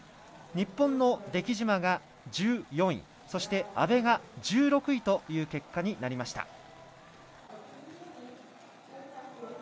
日本の出来島が１４位そして阿部が１６位という結果になりました。